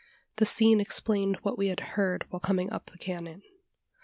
The scene explained what we had heard while coming up the canon.